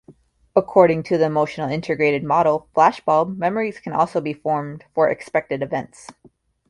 According to the Emotional-Integrative model flashbulb memories can also be formed for expected events.